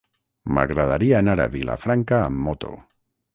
M'agradaria anar a Vilafranca amb moto.